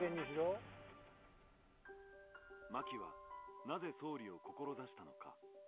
真木はなぜ総理を志したのか。